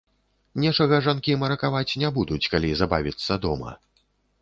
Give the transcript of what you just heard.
Нечага жанкі маракаваць не будуць, калі забавіцца дома.